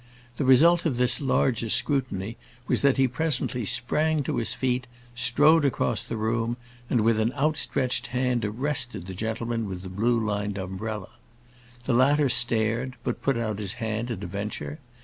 The result of this larger scrutiny was that he presently sprang to his feet, strode across the room, and, with an outstretched hand, arrested the gentleman with the blue lined umbrella. The latter stared, but put out his hand at a venture.